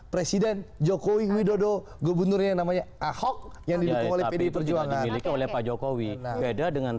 presiden jokowi widodo gubernurnya namanya ahok yang lebih terjuang oleh pak jokowi beda dengan